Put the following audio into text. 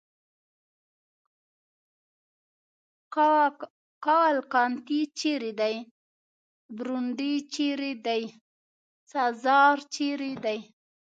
کاوالکانتي چېرې دی؟ برونډي چېرې دی؟ سزار چېرې دی؟